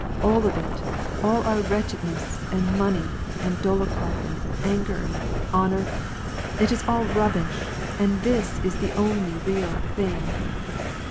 ^' All of it, and our wretchedness, and money, and Dolokhof, and anger, and honor ; it is all rubbish, and this is the only real thing